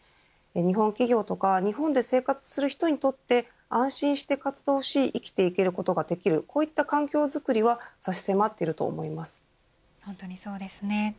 日本企業とか日本で生活する人にとって安心して活動し生きていけることができるこういった環境づくりは本当にそうですね。